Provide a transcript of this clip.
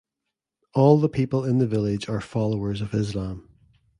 All the people in the village are followers of Islam.